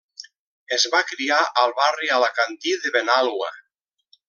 Es va criar al barri alacantí de Benalua.